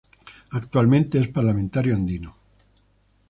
Actualmente es parlamentario andino.